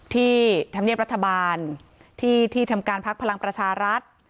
ธรรมเนียบรัฐบาลที่ทำการพักพลังประชารัฐ